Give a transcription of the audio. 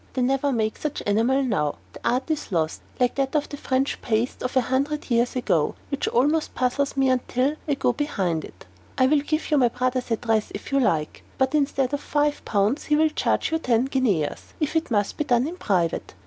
They never make such enamel now. The art is lost, like that of the French paste of a hundred years ago, which almost puzzles even me until I go behind it. I will give you my brother's address if you like; but instead of five pounds, he will charge you ten guineas if it must be done in private.